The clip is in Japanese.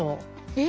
え？